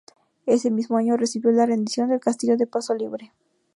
Ese mismo año recibió la rendición del castillo de paso libre.